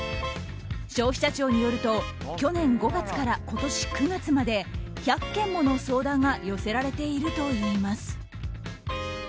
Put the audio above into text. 消費者庁によると去年５月から今年９月まで１００件もの相談が寄せられているといいます。